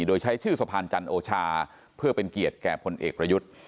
โดยใช้ชื่อสะพานจันโอชาเพื่อเป็นเกียรติแก่พลเอกประยุทธ์